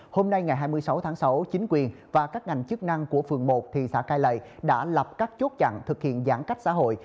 hôm nay ngày hai mươi sáu tháng sáu chính quyền và các ngành chức năng của phường một thị xã cai lậy đã lập các chốt chặn thực hiện giãn cách xã hội